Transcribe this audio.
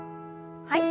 はい。